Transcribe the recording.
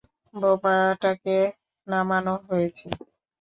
বোমাটাকে নামানো হয়েছে!